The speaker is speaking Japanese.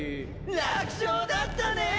楽勝だったねぇ！！